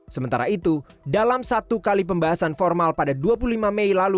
sementara itu dalam satu kali pembahasan formal pada dua puluh lima mei lalu